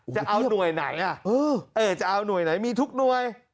จะเอาหน่วยไหนจะเอาหน่วยไหนมีทุกหน่วย